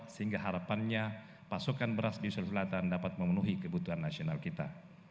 sehingga harapannya pasokan beras di sulawesi selatan dapat memenuhi kebutuhan nasional kita